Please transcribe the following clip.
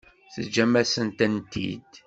Teǧǧam-asent-tent-id.